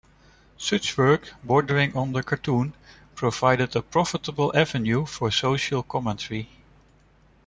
Such work, bordering on the cartoon, provided a profitable avenue for social commentary.